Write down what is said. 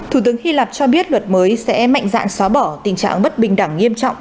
thủ tướng hy lạp cho biết luật mới sẽ mạnh dạn xóa bỏ tình trạng bất bình đẳng nghiêm trọng